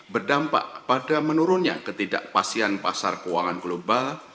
berdampak pada menurunnya ketidakpastian pasar keuangan global